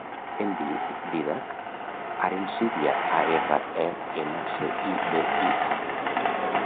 Em dic Dídac Arencibia: a, erra, e, ena, ce, i, be, i, a.